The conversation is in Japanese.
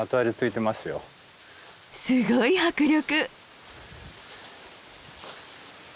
すごい迫力。